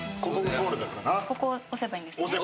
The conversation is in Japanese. ここ押せばいいんですね。